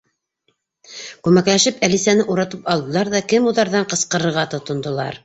Күмәкләшеп Әлисәне уратып алдылар ҙа кемуҙарҙан ҡысҡырырға тотондолар: